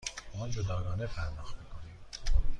ما جداگانه پرداخت می کنیم.